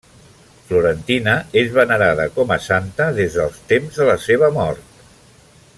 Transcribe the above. Florentina és venerada com a santa des del temps de la seva mort.